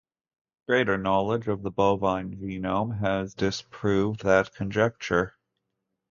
Greater knowledge of the bovine genome has disproved that conjecture.